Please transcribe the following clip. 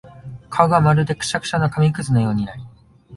顔がまるでくしゃくしゃの紙屑のようになり、